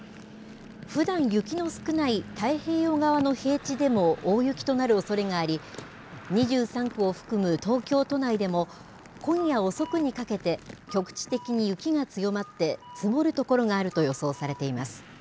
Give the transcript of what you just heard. ふだん、雪の少ない太平洋側の平地でも大雪となるおそれがあり、２３区を含む東京都内でも、今夜遅くにかけて局地的に雪が強まって、積もる所があると予想されています。